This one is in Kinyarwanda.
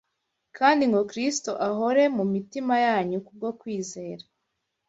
kandi ngo Kristo ahore mu mitima yanyu kubwo kwizera